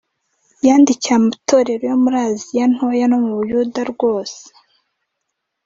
yandikiye amatorero yo muri aziya ntoya no mu buyuda rwose